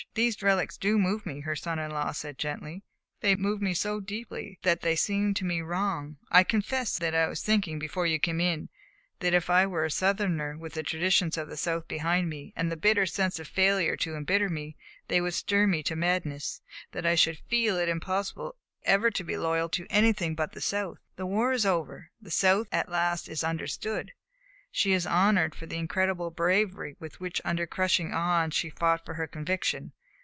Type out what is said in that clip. "These relics do move me," her son in law said gently. "They move me so deeply that they seem to me wrong. I confess that I was thinking, before you came in, that if I were a Southerner, with the traditions of the South behind me, and the bitter sense of failure to embitter me, they would stir me to madness; that I should feel it impossible ever to be loyal to anything but the South. The war is over. The South at last is understood. She is honored for the incredible bravery with which, under crushing odds, she fought for her conviction.